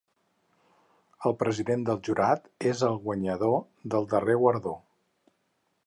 El president del jurat és el guanyador del darrer guardó.